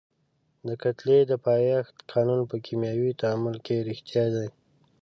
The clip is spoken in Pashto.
د کتلې د پایښت قانون په کیمیاوي تعامل کې ریښتیا دی.